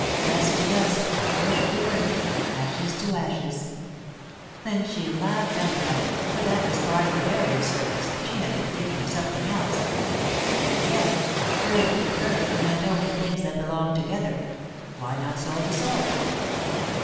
"Dust to dust, earth to earth, ashes to ashes." Then she laughed outright, for that was part of the burial service, and she had been thinking of something else. And yet earth to earth meant only things that belonged together; why not soul to soul?